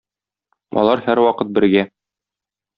Алар һәрвакыт бергә.